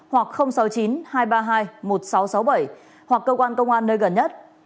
hoặc sáu mươi chín hai trăm ba mươi hai một nghìn sáu trăm sáu mươi bảy hoặc cơ quan công an nơi gần nhất